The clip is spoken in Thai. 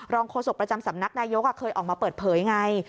โฆษกประจำสำนักนายกเคยออกมาเปิดเผยไง